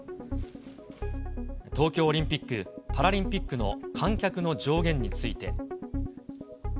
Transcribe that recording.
東京オリンピック・パラリンピックの観客の上限について。